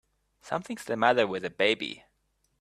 Something's the matter with the baby!